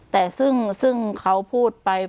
แต่ซึ่งเขาพูดไป